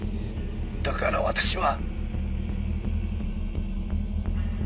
だから私は。